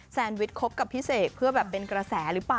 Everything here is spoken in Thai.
แซนวิชคบกับพี่เสกเพื่อแบบเป็นกระแสหรือเปล่า